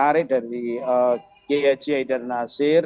menarik dari g i g raidhan nasir